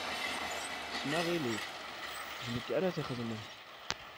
Kksem aɣilif, d nekk ara t-ixedmen.